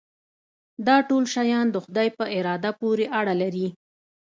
دا ټول شیان د خدای په اراده پورې اړه لري.